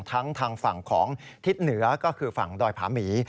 ทั้งทางฝั่งของทิศเหนือก็คือฝั่งดอยผาหมี